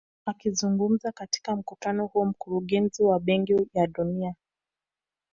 Akizungumza katika mkutano huo mkurugenzi wa benki ya dunia